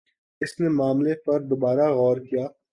اس نے معاملے پر دوبارہ غور کِیا